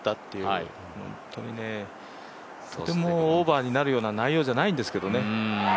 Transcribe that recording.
とてもオーバーになるような内容じゃないんですけどね。